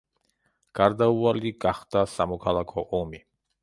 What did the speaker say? გარდაუალი გახდა სამოქალაქო ომი.